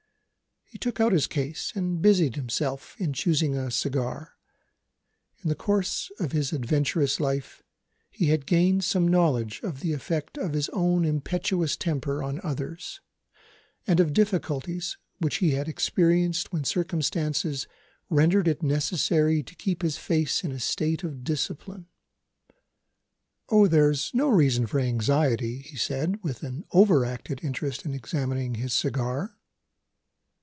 He took out his case, and busied himself in choosing a cigar. In the course of his adventurous life, he had gained some knowledge of the effect of his own impetuous temper on others, and of difficulties which he had experienced when circumstances rendered it necessary to keep his face in a state of discipline. "Oh, there's no reason for anxiety!" he said, with an over acted interest in examining his cigar.